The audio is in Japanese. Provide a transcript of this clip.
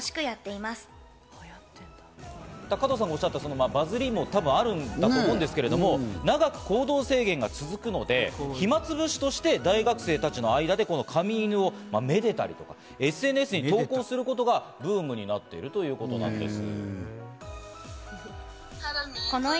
加藤さんがおっしゃったバズりも多分あると思うんですけれども、長く行動制限が続くので、暇つぶしとして大学生たちの間でこの紙犬を愛でたり、ＳＮＳに投稿することがブームになっているということなんです。